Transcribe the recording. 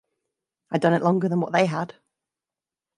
I'd done it longer than what they had.